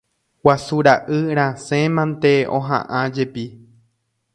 Guasu ra'y rasẽ mante oha'ãjepi.